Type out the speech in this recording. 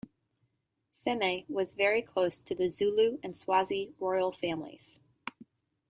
Seme was very close to the Zulu and Swazi royal families.